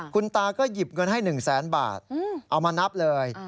คุณตาก็หยิบเงินให้๑แสนบาทเอามานับเลย